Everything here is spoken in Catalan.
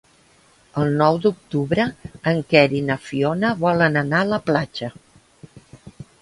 El nou d'octubre en Quer i na Fiona volen anar a la platja.